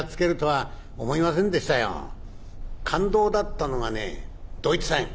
感動だったのがねドイツ戦。